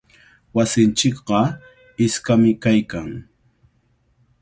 Wasinchikqa iskami kaykan.